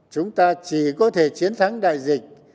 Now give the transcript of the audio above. chúng ta chỉ có thể chiến thắng đại dịch